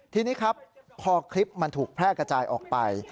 ทีนี้ครับพอคลิปมันถูกแพร่กระจายออกไป